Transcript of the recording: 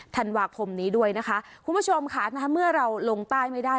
ธันวาคมนี้ด้วยนะคะคุณผู้ชมค่ะเมื่อเราลงใต้ไม่ได้